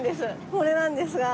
これなんですが。